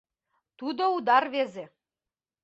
— Тудо уда рвезе.